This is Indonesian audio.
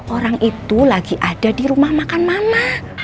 orang itu lagi ada di rumah makan mama